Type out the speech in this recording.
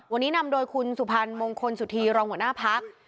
วันนี้นำโดยคุณสุพรรณมงคลสุธีรองหัวหน้าพัก